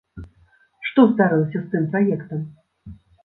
Што здарылася з тым праектам?